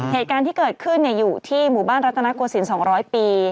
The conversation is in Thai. เหตุการณ์ที่เกิดขึ้นอยู่ที่หมู่บ้านรัฐนาโกศิลป๒๐๐ปี